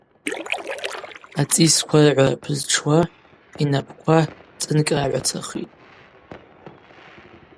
Ацӏисква рыгӏвара пызтшуа йнапӏква цӏынкӏьрагӏвацахитӏ.